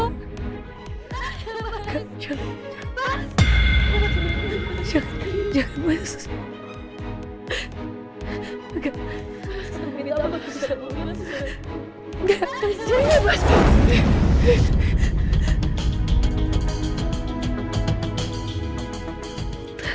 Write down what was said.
gak akan aku lepasin aku